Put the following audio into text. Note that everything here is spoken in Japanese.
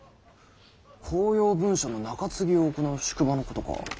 公用文書の中継ぎを行う宿場のことか。